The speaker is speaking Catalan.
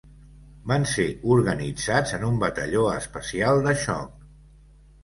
Van ser organitzats en un batalló especial de xoc